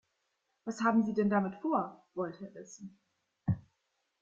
Was haben Sie denn damit vor?, wollte er wissen.